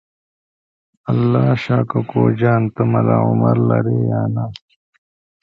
الله شا کوکو جان ته ملا عمر لرې یا نه؟